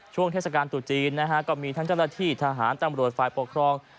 เทศกาลตุจีนนะฮะก็มีทั้งเจ้าหน้าที่ทหารตำรวจฝ่ายปกครอง